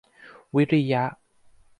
วิริยะ